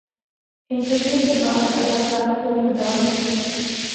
interview کے بعد اداکار کو مداحوں کی